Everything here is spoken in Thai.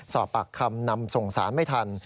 สอบปากคำนำส่งสารไม่ทัน